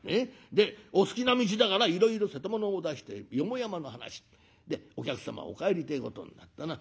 でお好きな道だからいろいろ瀬戸物を出して四方山の話。でお客様お帰りてえことになったな。